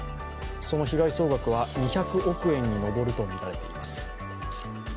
その被害総額は２００億円に上るとみられています。